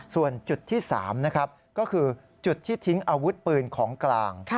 ส่วนจุดที่๓นะครับก็คือจุดที่ทิ้งอาวุธปืนของกลาง